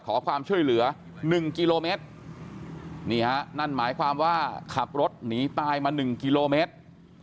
ขอความช่วยเหลือ๑กิโลเมตรนี่ฮะนั่นหมายความว่าขับรถหนีตายมา๑กิโลเมตร